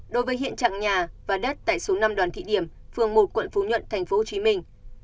đối với hiện trạng nhà và đất tại số năm đoàn thị điểm phường một quận phú nhuận thành phố hồ chí minh